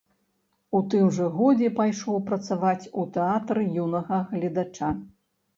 У тым жа годзе пайшоў працаваць у тэатр юнага гледача.